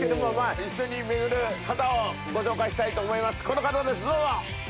この方ですどうぞ。